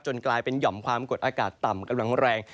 กลายเป็นหย่อมความกดอากาศต่ำกำลังแรง